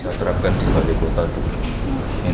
saya akan membuat kue kaya ini dengan kain dan kain